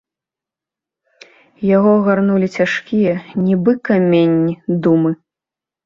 Яго агарнулі цяжкія, нібы каменні, думы.